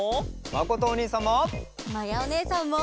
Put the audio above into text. まことおにいさんも。